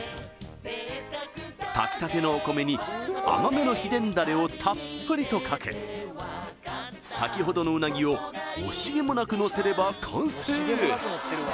炊きたてのお米に甘めの秘伝ダレをたっぷりとかけ先ほどの鰻を惜しげもなくのせれば完成！